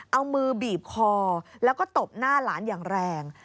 เอามือบีบคอแล้วก็ตบหน้าหลานอย่างแรง